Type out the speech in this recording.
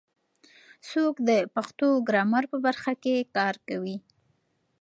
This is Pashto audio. څوک د پښتو ګرامر په برخه کې کار کوي؟